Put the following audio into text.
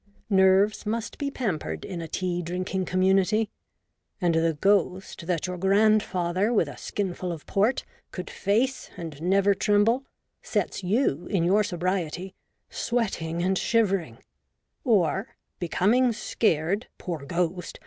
Nerves must be pampered in a tea drinking com munity ; and the ghost that your grandfather, with a skinful of port, could face and never tremble, sets you, in your sobriety, sweating and shivering ; or, becoming scared (poor ghost